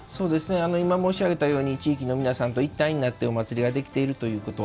今、申し上げたように地域の皆さんと一体になってお祭りができているということ。